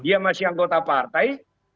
dia masih anggota partai